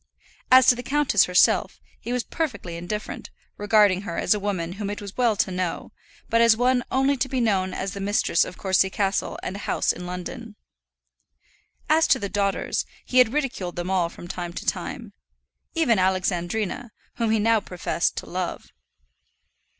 As to the countess herself, he was perfectly indifferent, regarding her as a woman whom it was well to know, but as one only to be known as the mistress of Courcy Castle and a house in London. As to the daughters, he had ridiculed them all from time to time even Alexandrina, whom he now professed to love.